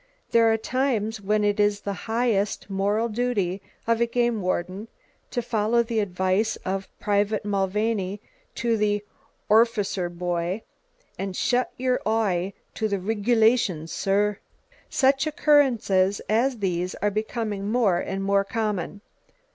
There are times when it is the highest (moral) duty of a game warden to follow the advice of Private Mulvaney to the "orficer boy," and "Shut yer oye to the rigulations, sorr!" Such occurrences as these are becoming more and more common.